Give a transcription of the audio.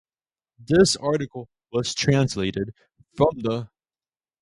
"This article was translated from the "